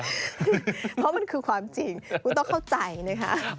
เพราะมันคือความจริงคุณต้องเข้าใจนะคะ